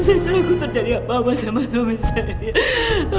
saya takut terjadi apa apa sama suami saya